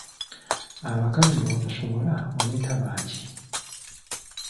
Abakazi b'otasobola oleeta baaki?